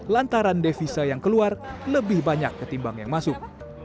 lantaran devisa yang keluar lebih banyak ketimbang yang masuk